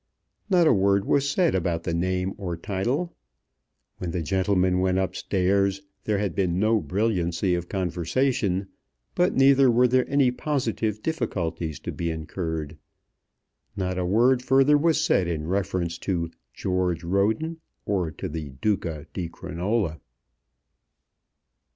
Not a word was said about the name or title. When the gentlemen went up stairs there had been no brilliancy of conversation, but neither were there any positive difficulties to be incurred. Not a word further was said in reference to "George Roden" or to the "Duca di Crinola."